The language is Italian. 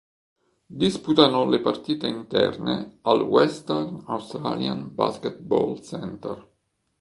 Disputano le partite interne al Western Australian Basketball Centre.